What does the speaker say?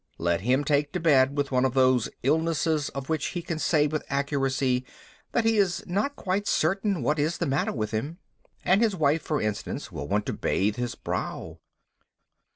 Let him take to bed with one of those illnesses of which he can say with accuracy that he is not quite certain what is the matter with him, and his wife, for instance, will want to bathe his brow.